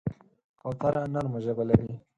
کوتره نرمه ژبه لري.